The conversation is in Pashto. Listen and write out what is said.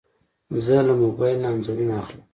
زه له موبایل نه انځورونه اخلم.